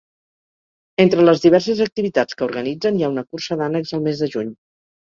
Entre les diverses activitats que organitzen hi ha una cursa d'ànecs al mes de juny.